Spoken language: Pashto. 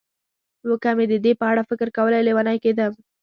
نو که مې د دې په اړه فکر کولای، لېونی کېدم.